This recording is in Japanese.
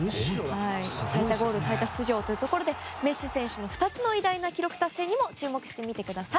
最多ゴール最多出場というところでメッシ選手の２つの偉大な記録達成にも注目してみてください。